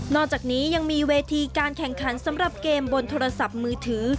อกจากนี้ยังมีเวทีการแข่งขันสำหรับเกมบนโทรศัพท์มือถือ